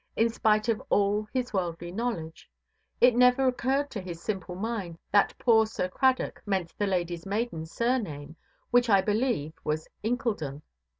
In spite of all his worldly knowledge, it never occurred to his simple mind that poor Sir Cradock meant the ladyʼs maiden surname, which I believe was "Incledon".